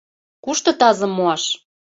Кушто тазым муаш?